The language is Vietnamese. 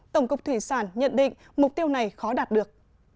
tổng cục thủy sản nhận định mục tiêu này khó đạt được